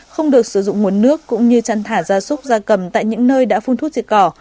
không được sử dụng nguồn nước cũng như chăn thả ra súc ra cầm tại những nơi đã phun thuốc diệt cỏ